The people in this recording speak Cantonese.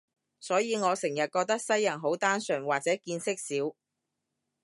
所以我成日覺得西人好單純，或者見識少